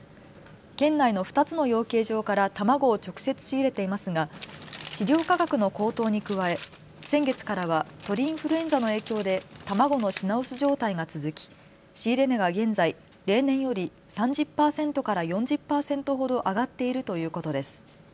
県内の２つの養鶏場から卵を直接仕入れていますが飼料価格の高騰に加え先月からは鳥インフルエンザの影響で卵の品薄状態が続き仕入れ値は現在、例年より３０％から４０％ほど上がっているということです。